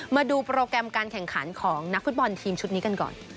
มาดูโปรแกรมการแข่งขันของนักฟุตบอลทีมชุดนี้กันก่อน